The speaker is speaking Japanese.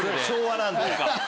昭和なんだ。